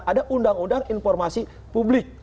ada undang undang informasi publik